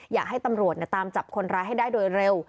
อยากให้ตำรวจตามจับคนร้ายให้ได้โดยเร็ว